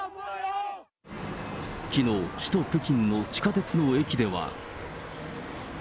きのう、首都・北京の地下鉄の駅では。